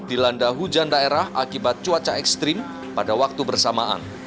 dilanda hujan daerah akibat cuaca ekstrim pada waktu bersamaan